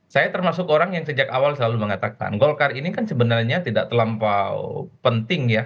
saya termasuk orang yang sejak awal selalu mengatakan golkar ini kan sebenarnya tidak terlampau penting ya